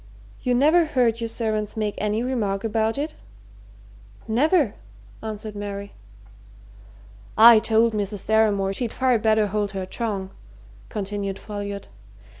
You never heard your servants make any remark about it?" "Never!" answered Mary. "I told Mrs. Deramore she'd far better hold her tongue," continued Folliot.